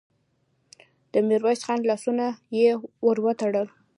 د ميرويس خان لاسونه يې ور وتړل.